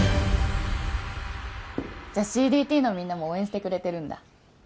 じゃあＣＤＴのみんなも応援してくれてるんだ。